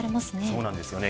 そうなんですよね。